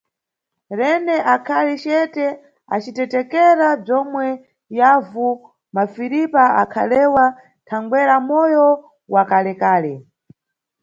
Rene akhali cete acitetekera bzomwe yavu Mafiripa akhalewa thangwera moyo wa kalekale.